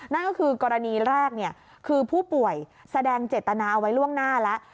นั่นก็คือกรณีแรกคือผู้ป่วยแสดงเจตนาเอาไว้ล่วงหน้าแล้ว